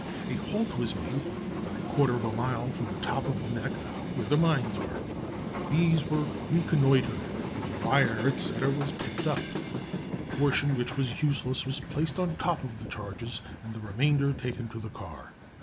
A halt was made about a quarter of a mile from the top of the Nek, where the mines were. These were reconnoitered, and the wire, &c., was picked up; that portion which was useless was placed on top of the charges, and the remainder taken to the car.